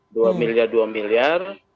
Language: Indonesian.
dua miliar dua miliar